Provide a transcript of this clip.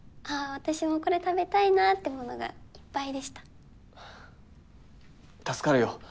私もこれ食べたいなってものがいっぱいでした助かるよ